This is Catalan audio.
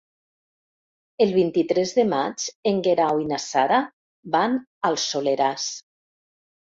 El vint-i-tres de maig en Guerau i na Sara van al Soleràs.